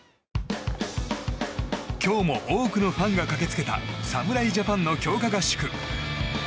今日も多くのファンが駆け付けた侍ジャパンの強化合宿。